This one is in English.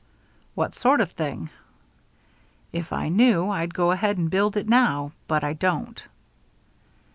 "What sort of thing?" "If I knew I'd go ahead and build it now, but I don't."